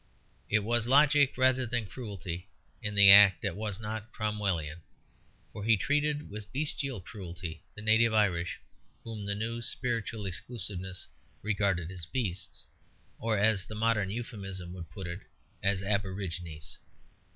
It was logic rather than cruelty in the act that was not Cromwellian; for he treated with bestial cruelty the native Irish, whom the new spiritual exclusiveness regarded as beasts or as the modern euphemism would put it, as aborigines.